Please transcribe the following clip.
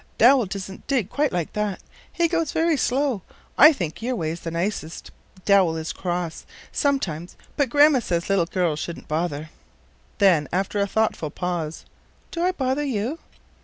"Dowell doesn't dig quick like that. He goes very slow. I think your way is the nicest. Dowell is cross, sometimes, but Grandma says little girls shouldn't bother." Then, after a thoughtful pause, "Do I bother you?"